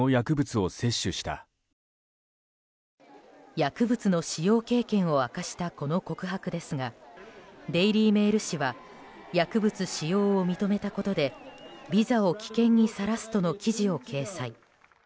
薬物の使用経験を明かしたこの告白ですがデイリー・メール紙は薬物使用を認めたことでビザを危険にさらすとの記事を掲載。